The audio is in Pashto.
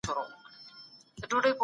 ځینو نورو قلمي مبارزه مخته یوړه.